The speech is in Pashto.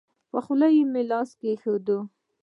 په خوله مې لاس کېښود.